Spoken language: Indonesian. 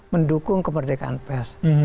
mendukung kemerdekaan pers